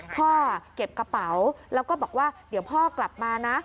พ่อเก็บกระเป๋าแล้วก็บอกว่าเดี๋ยวพ่อกลับมานะ